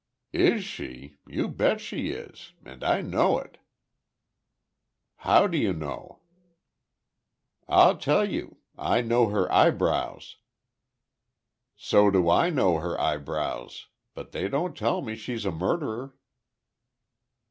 "Is she? You bet she is! And I know it." "How do you know?" "I'll tell you. I know her eyebrows!" "So do I know her eyebrows. But they don't tell me she's a murderer."